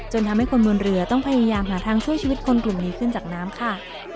ทำให้คนบนเรือต้องพยายามหาทางช่วยชีวิตคนกลุ่มนี้ขึ้นจากน้ำค่ะ